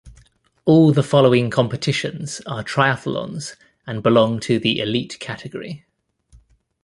All the following competitions are triathlons and belong to the "Elite" category.